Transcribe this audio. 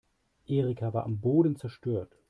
Erika war am Boden zerstört.